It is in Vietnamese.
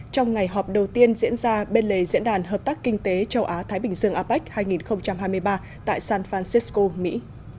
trong ngày họp đầu tiên diễn ra bên lề diễn đàn hợp tác kinh tế châu á thái bình dương apec hai nghìn hai mươi ba tại san francisco mỹ